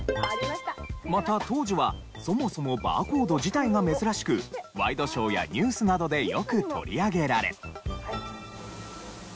また当時はそもそもバーコード自体が珍しくワイドショーやニュースなどでよく取り上げられ。